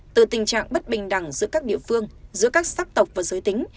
từ tình trạng bất bình đẳng giữa các địa phương giữa các sắc tộc và giới tính